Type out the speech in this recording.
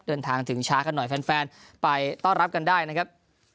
ถึงช้ากันหน่อยแฟนไปต้อนรับกันได้นะครับ